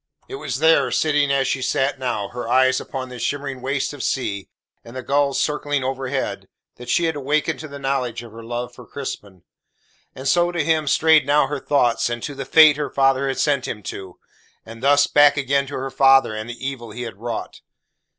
It was there, sitting as she sat now, her eyes upon the shimmering waste of sea, and the gulls circling overhead, that she had awakened to the knowledge of her love for Crispin. And so to him strayed now her thoughts, and to the fate her father had sent him to; and thus back again to her father and the evil he had wrought.